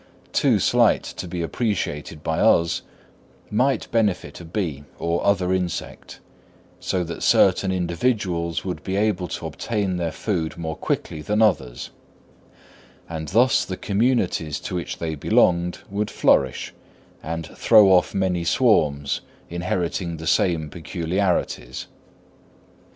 too slight to be appreciated by us, might profit a bee or other insect, so that certain individuals would be able to obtain their food more quickly than others; and thus the communities to which they belonged would flourish and throw off many swarms inheriting the same peculiarities.